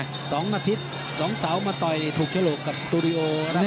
๒อาทิตย์๒เสามาต่อยถูกฉลกกับสตูดิโอนะครับ